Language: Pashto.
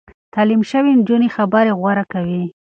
تعليم شوې نجونې خبرې غوره کوي.